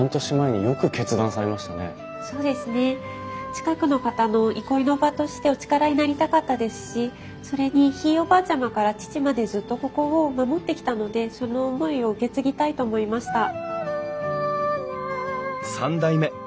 そうですね近くの方の憩いの場としてお力になりたかったですしそれにひいおばあちゃまから父までずっとここを守ってきたのでその思いを受け継ぎたいと思いました。